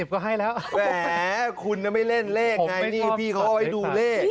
๒๐ก็ให้แล้วแหวะคุณไม่เล่นเลขไงนี่พี่เขาให้ดูเลข